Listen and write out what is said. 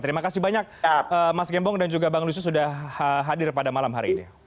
terima kasih banyak mas gembong dan juga bang lusius sudah hadir pada malam hari ini